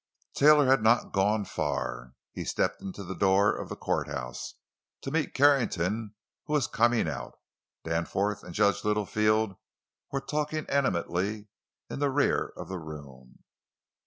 Taylor had not gone far. He stepped into the door of the courthouse, to meet Carrington, who was coming out. Danforth and Judge Littlefield were talking animatedly in the rear of the room.